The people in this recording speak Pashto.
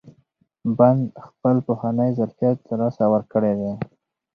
بند خپل پخوانی ظرفیت له لاسه ورکړی دی.